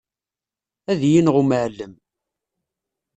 Ad iyi-ineɣ umɛellem.